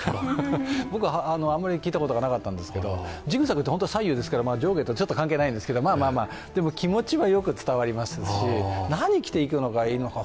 僕はあんまり聞いたことがなかったんですけどジグザグって左右ですから、上下とは関係ないですけどまあまあ、でも気持ちはよく伝わりますし何を着ていけばいいのか